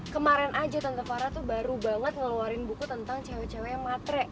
kemaren aja tante farah tuh baru banget ngeluarin buku tentang cewek cewek matre